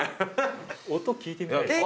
音聞いてみたいですか？